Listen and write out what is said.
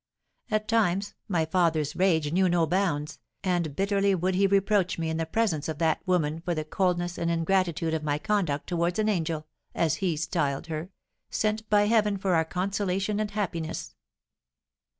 At times my father's rage knew no bounds, and bitterly would he reproach me in the presence of that woman for the coldness and ingratitude of my conduct towards an angel, as he styled her, sent by heaven for our consolation and happiness.